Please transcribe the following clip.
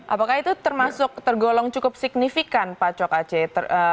apakah itu termasuk tergolong cukup signifikan pak cok aceh